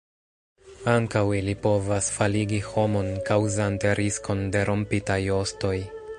Ankaŭ ili povas faligi homon, kaŭzante riskon de rompitaj ostoj.